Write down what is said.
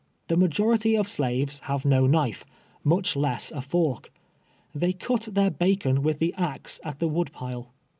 The majority of slaves have no knife, much less a fork. They cut their bacon with the axe at the wood pile.